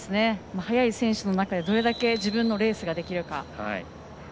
速い選手の中でどれだけ自分のレースができるか。